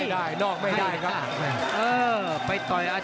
ประธานอีกบางสายไม่ได้นอกไม่ได้นะครับ